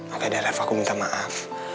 oke deh ref aku minta maaf